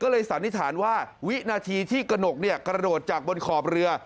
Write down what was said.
ก็เลยสันนิษฐานว่าวินาทีที่กระหนกกระโดดจากบนขอบเรือ